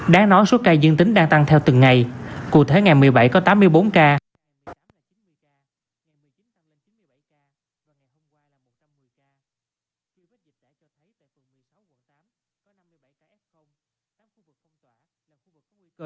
đáng nói số ca dương tính đang tăng theo từng ngày cụ thể ngày một mươi bảy có tám mươi bốn ca